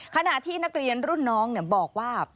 ขณะที่นักเรียนรุ่นน้องบอกว่า